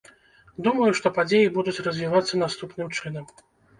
Думаю, што падзеі будуць развівацца наступным чынам.